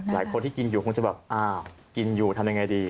หลายคนที่กินอยู่คงจะแบบอ้าวกินอยู่ทำยังไงดี